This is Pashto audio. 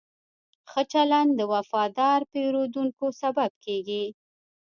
ښه چلند د وفادار پیرودونکو سبب کېږي.